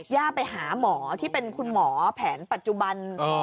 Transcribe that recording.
ย่าไปหาหมอที่เป็นคุณหมอแผนปัจจุบัน